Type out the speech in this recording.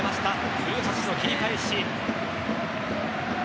古橋の切り返し。